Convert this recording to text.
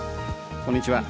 こんにちは。